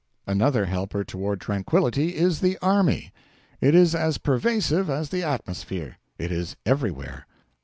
Another helper toward tranquillity is the army. It is as pervasive as the atmosphere. It is everywhere.